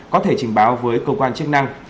có thể trình báo với cơ quan chức năng